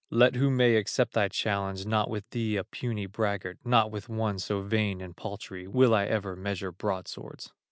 Let who may accept thy challenge, Not with thee, a puny braggart, Not with one so vain and paltry, Will I ever measure broadswords."